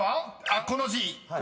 あっこの字］